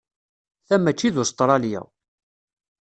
Ta maci d Ustṛalya.